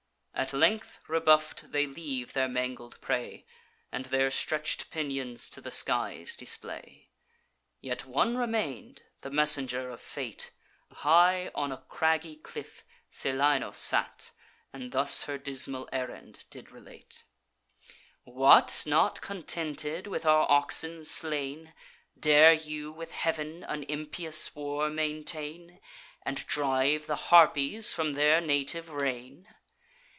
At length rebuff'd, they leave their mangled prey, And their stretch'd pinions to the skies display. Yet one remain'd, the messenger of Fate: High on a craggy cliff Celaeno sate, And thus her dismal errand did relate: 'What! not contented with our oxen slain, Dare you with Heav'n an impious war maintain, And drive the Harpies from their native reign?